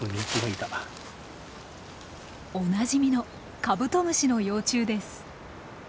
おなじみのカブトムシの幼虫です。